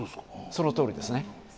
そのとおりですね。